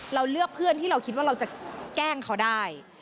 เราเลือกเพื่อนที่เราคิดว่าเราจะแกล้งเขาได้